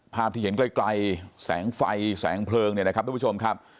ภาพที่เห็นไกลแสงไฟแสงเพลิงเนี่ยนะครับทุกผู้ชมครับ